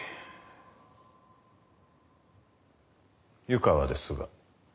湯川ですが。